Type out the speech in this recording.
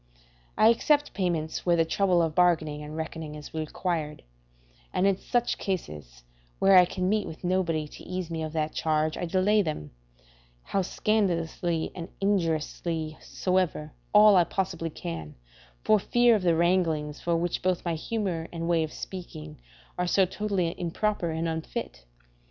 I except payments where the trouble of bargaining and reckoning is required; and in such cases; where I can meet with nobody to ease me of that charge, I delay them, how scandalously and injuriously soever, all I possibly can, for fear of the wranglings for which both my humour and way of speaking are so totally improper and unfit.